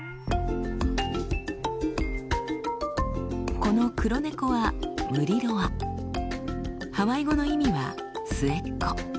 この黒猫はハワイ語の意味は「末っ子」。